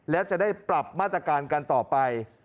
และจะได้ปรับมาตรการกันต่อไป